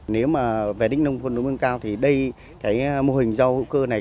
nếu mà về đích nông thuân mới lương cao thì đây cái mô hình rau hữu cơ này